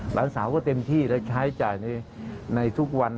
หลานสาวก็เต็มที่และใช้จ่ายในทุกวัน